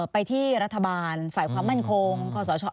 ไปที่รัฐบาลฝ่ายความมั่นคงคอสช